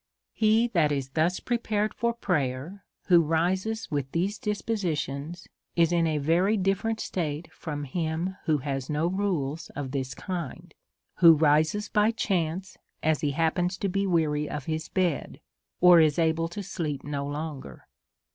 He that is thus prepared for prayer, who rises with DEVOUT AND HOLY LIFE. 171 these dispositions^ is in a very ditferent state from him who has no rules of this kind, who rises by chance, as he happens to be weary of his bed, or is able to sleep no longer.